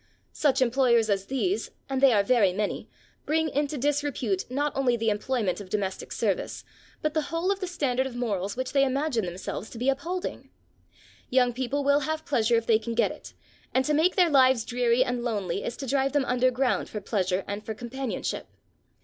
Such employers as these, and they are very many, bring into disrepute not only the employment of domestic service, but the whole of the standard of morals which they imagine themselves to be upholding. Young people will have pleasure if they can get it, and to make their lives dreary and lonely is to drive them underground for pleasure and for companionship.